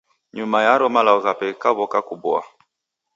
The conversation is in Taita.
Nyuma yaro malagho ghape ghikaw'oka kuboa.